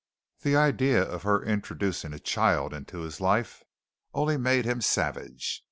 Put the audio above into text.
The idea of her introducing a child into his life only made him savage.